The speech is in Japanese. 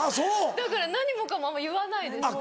だから何もかも言わないですね。